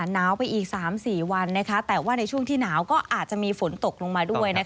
หนาวไปอีก๓๔วันแต่ว่าในช่วงที่หนาวก็อาจจะมีฝนตกลงมาด้วย